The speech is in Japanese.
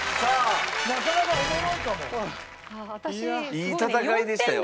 いい戦いでしたよ。